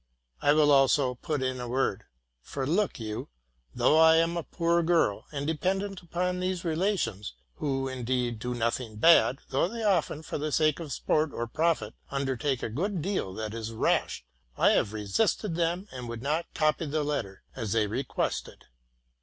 I will also put in a word ; for look you, though I am a poor girl, and dependent 140 TRUTH AND FICTION upon these relations, — who indeed do nothing bad, though they often, for the sake of sport or profit, undertake a good deal that is rash, — I have resisted them, and would not copy the first letter, as they requested.